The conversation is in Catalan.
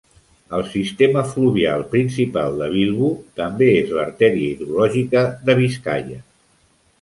El sistema fluvial principal de Bilbao també és l'arteria hidrològica de Biscaia.